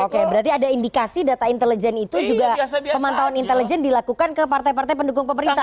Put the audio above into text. oke berarti ada indikasi data intelijen itu juga pemantauan intelijen dilakukan ke partai partai pendukung pemerintah